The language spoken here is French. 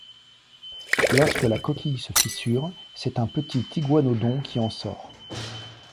Lorsque la coquille se fissure, c'est un petit iguanodon qui en sort...